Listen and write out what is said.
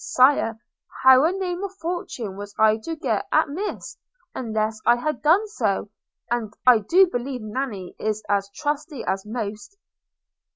Sire, how a name of fortune was I to get at Miss, unless I had done so? and I do believe Nanny is as trusty as most.'